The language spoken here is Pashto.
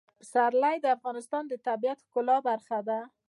پسرلی د افغانستان د طبیعت د ښکلا برخه ده.